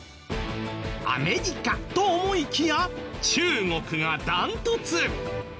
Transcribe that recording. アメリカと思いきや中国がダントツ。